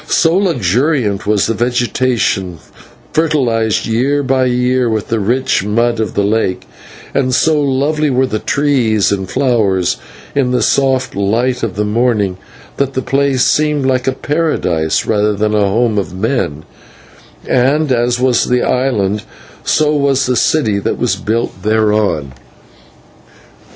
So luxuriant was the vegetation, fertilised year by year with the rich mud of the lake, and so lovely were the trees and flowers in the soft light of the morning, that the place seemed like a paradise rather than a home of men; and as was the island, so was the city that was built upon one end of it.